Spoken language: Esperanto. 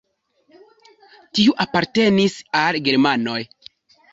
Tiu apartenis al germanoj.